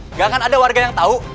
nggak akan ada warga yang tahu